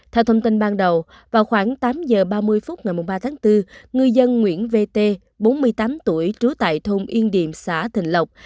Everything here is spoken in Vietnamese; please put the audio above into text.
theo thông tin ban đầu vào khoảng tám h ba mươi phút ngày ba tháng bốn người dân nguyễn vt bốn mươi tám tuổi trú tại thôn yên điểm xã thình lộc